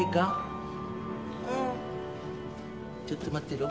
ちょっと待ってろ。